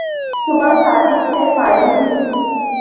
صبح صادق سے فائرنگ کی